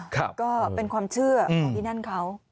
ก็เป็นความเชื่อของที่นั่นเขา